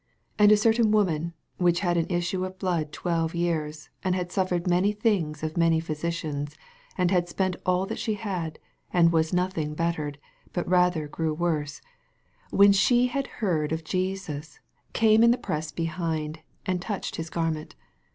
25 And a certain woman, which had an issue of blood twelve years, 26 And had suffered many things of many physicians, and had spent all that she had, and was nothing bettered, but rather grew worse, 27 When she had heard of Jesus, came in the press behind, and touch ed his garment.